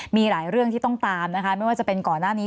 มีหลายเรื่องที่ต้องตามนะคะไม่ว่าจะเป็นก่อนหน้านี้